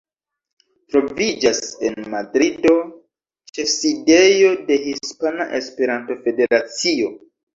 Troviĝas en Madrido ĉefsidejo de Hispana Esperanto-Federacio.